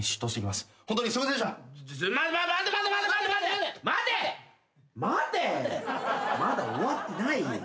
まだ終わってないよ。